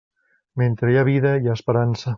Mentre hi ha vida hi ha esperança.